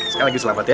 sekali lagi selamat ya